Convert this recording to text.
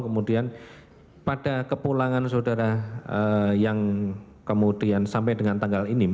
kemudian pada kepulangan saudara yang kemudian sampai dengan tanggal ini